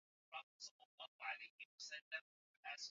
tayari kijana mmoja wa algeria na mwingine wa morocco